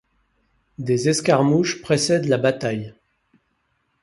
Des escarmouches précèdent la bataille.